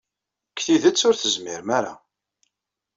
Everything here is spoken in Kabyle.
Deg tidet, ur tezmirem ara.